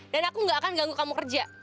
dan aku nggak akan ganggu kamu kerja